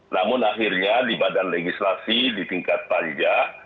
namun akhirnya di badan legislasi di tingkat panjang